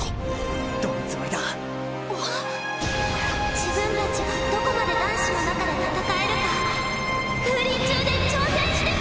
自分たちがどこまで男子の中で戦えるか風林中で挑戦してみようよ！